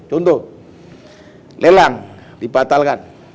contoh lelang dibatalkan